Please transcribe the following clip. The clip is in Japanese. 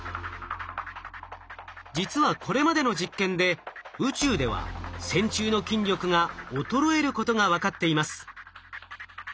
実はこれまでの実験で宇宙では線虫の筋力が衰えることが分かっています。